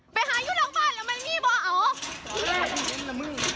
ไปหาอยู่หลังบ้านแล้วมันมีวะ